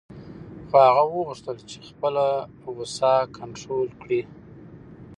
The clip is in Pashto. خو هغه وغوښتل چې خپله غوسه کنټرول کړي.